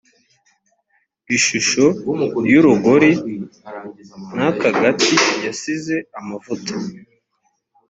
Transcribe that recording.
ishusho y urugori n akagati gasize amavuta